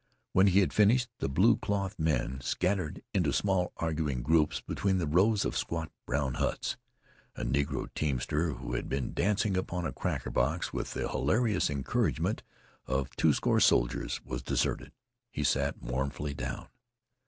When he had finished, the blue clothed men scattered into small arguing groups between the rows of squat brown huts. A negro teamster who had been dancing upon a cracker box with the hilarious encouragement of twoscore soldiers was deserted. He sat mournfully down.